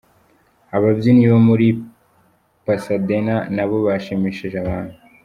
Ababyinnyi bo muri Passadena nabo bashimishije abantu.